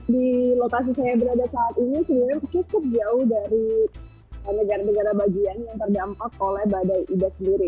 di lokasi saya berada saat ini sebenarnya cukup jauh dari negara negara bagian yang terdampak oleh badai ida sendiri